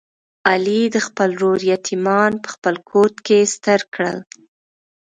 علي د خپل ورور یتیمان په خپل کوت کې ستر کړل.